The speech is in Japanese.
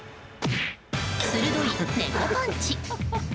鋭い猫パンチ！